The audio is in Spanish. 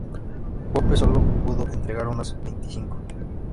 Pope solo pudo entregar unas veinticinco.